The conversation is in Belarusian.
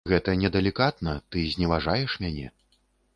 Гэта недалікатна, ты зневажаеш мяне.